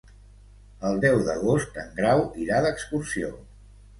El deu d'agost en Grau irà d'excursió.